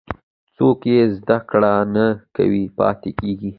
څوک چې زده کړه نه کوي، پاتې کېږي.